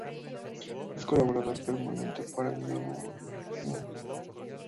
Es colaborador permanente para "El Nuevo Herald".